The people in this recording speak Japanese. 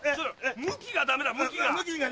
向きがダメだ向きが。